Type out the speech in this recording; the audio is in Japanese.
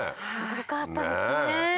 良かったですね。